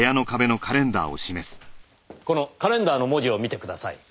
このカレンダーの文字を見てください。